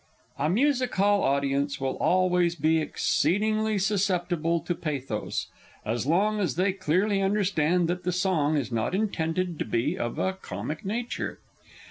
A Music hall audience will always be exceedingly susceptible to pathos so long as they clearly understand that the song is not intended to be of a comic nature.